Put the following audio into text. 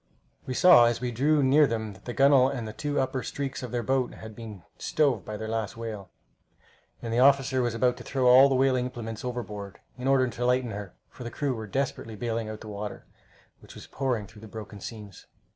We saw as we drew near them that the gunwale and the two upper streaks of their boat had been stove by their last whale, and the officer was about to throw all the whaling implements overboard, in order to lighten her, for the crew were desperately bailing out the water, which was pouring in through the broken seams.